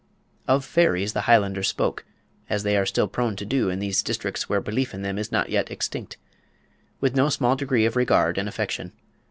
Of fairies the Highlanders spoke, as they are still prone to do in these districts where belief in them is not yet extinct, with no small degree of regard and affection.